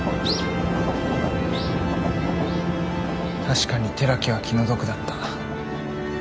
確かに寺木は気の毒だった。